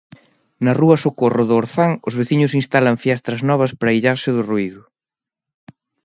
Na rúa Socorro do Orzán os veciños instalan fiestras novas para illarse do ruído.